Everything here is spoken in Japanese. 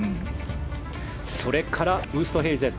それからウーストヘイゼン。